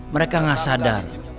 mereka gak sadar